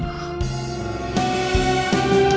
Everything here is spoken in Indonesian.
yah udah ere